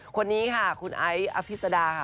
คนนี้ค่ะคุณไอ้อภิษดาค่ะ